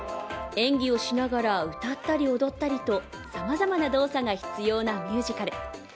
演技をしながら歌ったり踊ったりとさまざまな動作が必要なミュージカル。